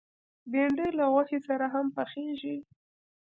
بېنډۍ له غوښې سره هم پخېږي